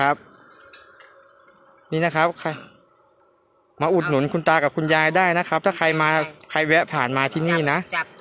นี่นะครับมาอุดหนุนคุณตากับคุณยายได้นะครับถ้าใครมาใครแวะผ่านมาที่นี่นะ